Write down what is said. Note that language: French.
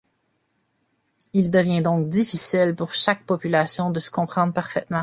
Il devient donc difficile pour chaque population de se comprendre parfaitement.